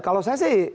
kalau saya sih